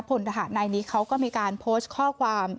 พลทหารนายนี้เขาก็มีการโพสต์ข้อความ